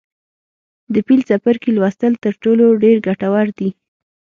د پیل څپرکي لوستل تر ټولو ډېر ګټور دي.